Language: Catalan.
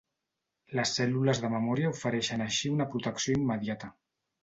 Les cèl·lules de memòria ofereixen així una protecció immediata.